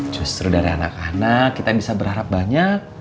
justru dari anak anak kita bisa berharap banyak